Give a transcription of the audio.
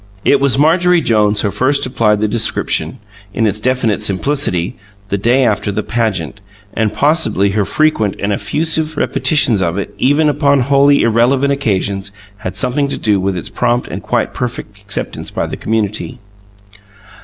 It was Marjorie Jones who first applied the description, in its definite simplicity, the day after the "pageant," and, possibly, her frequent and effusive repetitions of it, even upon wholly irrelevant occasions, had something to do with its prompt and quite perfect acceptance by the community.